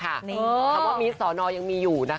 คำว่ามีดสอนอยังมีอยู่นะคะ